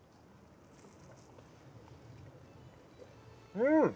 うん！